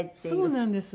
そうなんです。